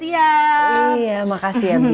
iya makasih ya bi